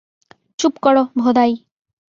চুপ করো, ভোদাই।